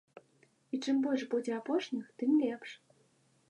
І чым больш будзе апошніх, тым лепш.